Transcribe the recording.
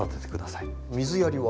水やりは？